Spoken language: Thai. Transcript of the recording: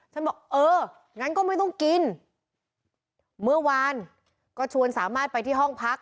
บอกเอองั้นก็ไม่ต้องกินเมื่อวานก็ชวนสามารถไปที่ห้องพัก